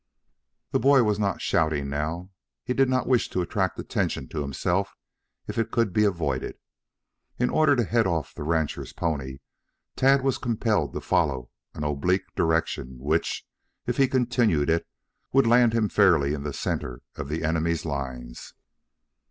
The boy was not shouting now. He did not wish to attract attention to himself if it could be avoided. In order to head off the rancher's pony, Tad was compelled to follow an oblique direction which, if he continued it, would land him fairly in the center of the enemy's lines.